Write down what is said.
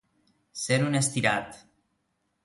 Ser un estirat.